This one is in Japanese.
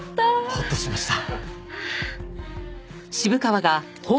ホッとしました。